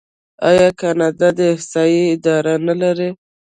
آیا کاناډا د احصایې اداره نلري؟